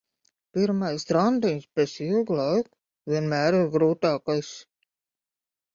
Pirmais randiņš pēc ilga laika vienmēr ir grūtākais.